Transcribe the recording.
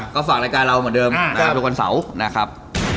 ก็ฝากรายการเราเหมือนเดิมนะครับทุกวันเสาร์นะครับ